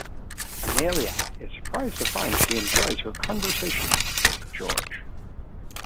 Amalia is surprised to find she enjoys her conversation with Georg.